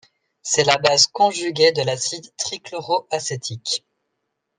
C'est la base conjuguée de l'acide trichloroacétique.